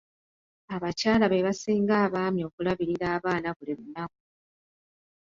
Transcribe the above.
Abakyala be basinga abaami okulabirira abaana buli lunaku.